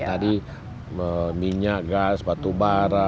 tadi minyak gas batu bara